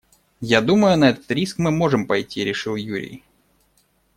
«Я думаю, на этот риск мы можем пойти», - решил Юрий.